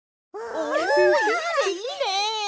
おいいねいいね！